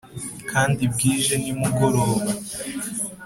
kandi bwije nimugoroba